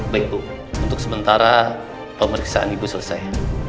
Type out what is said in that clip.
baik bu untuk sementara pemeriksaan ibu selesai